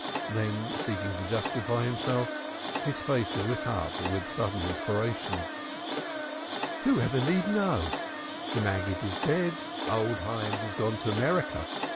Then, seeking to justify himself, his face lit up with sudden inspiration. "Who need ever know? The Maggid is dead. Old Hyams has gone to America.